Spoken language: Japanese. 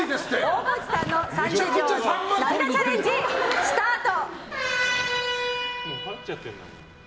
大河内さんの３０秒涙チャレンジスタート。